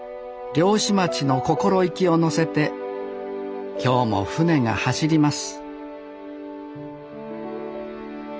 漁師町の心意気をのせて今日も船が走ります